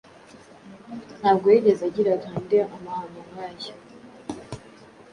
Ntabwo yigeze agira Grendel amahano nkaya